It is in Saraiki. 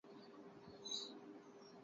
ساریاں ہکے مولھے نئیں چھڑین٘دیاں